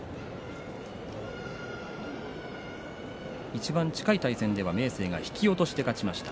いちばん近い対戦では明生が突き落としで勝ちました。